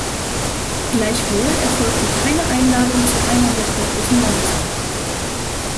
Gleichwohl erfolgte keine Einladung zu einer der drei großen Landesrundfahrten.